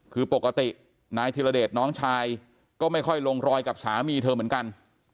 คือปกตินายธิรเดชน้องชายก็ไม่ค่อยลงรอยกับสามีเธอเหมือนกัน